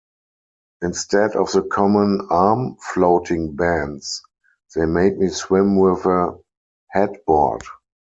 Instead of the common arm floating bands, they made me swim with a headboard.